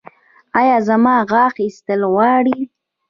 ایا زما غاښ ایستل غواړي؟